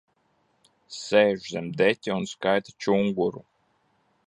Sēž zem deķa un skaita čunguru.